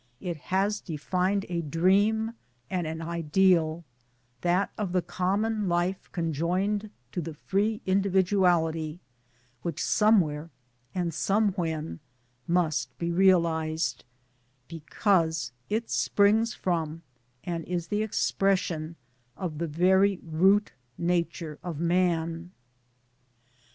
It has defined a dream and an ideal, that of the common life con joined to the free individuality, which somewhere and somewhen must be realized, because it springs from and is the expression of the very root nature of Man.